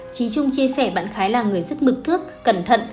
trí trung chia sẻ bạn khái là người rất mực thước cẩn thận